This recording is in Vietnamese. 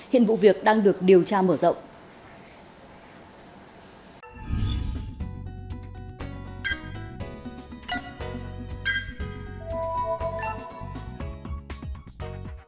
hiện vụ việc đang được điều tra mở rộng